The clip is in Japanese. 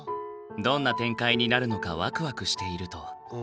どんな展開になるのかワクワクしていると。